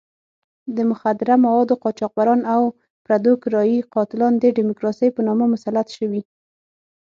د مخدره موادو قاچاقبران او پردو کرایي قاتلان د ډیموکراسۍ په نامه مسلط شوي.